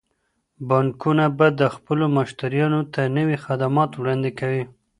بانکونه به خپلو مشتريانو ته نوي خدمات وړاندي کوي.